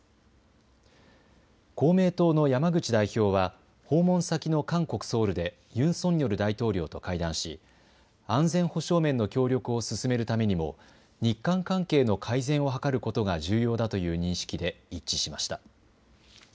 公明党の山口代表は訪問先の韓国、ソウルでユン・ソンニョル大統領と会談し安全保障面の協力を進めるためにも日韓関係の改善を図ることが重要だという認識で一致しました。